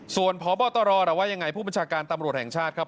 ส่วนพบตรหรือว่ายังไงผู้บัญชาการตำรวจแห่งชาติครับ